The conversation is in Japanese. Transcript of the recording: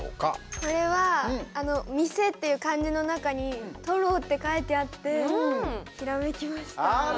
これは、店っていう漢字の中に「トロ」って書いてあって、ひらめきました。